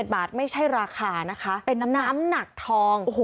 บาทไม่ใช่ราคานะคะเป็นน้ำหนักทอง